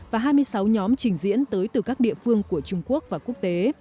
và hai mươi sáu nhóm trình diễn tới từ các địa phương của trung quốc và quốc tế